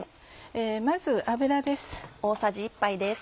まず油です。